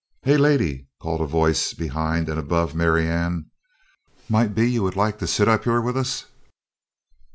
"Hey, lady," called a voice behind and above Marianne. "Might be you would like to sit up here with us?"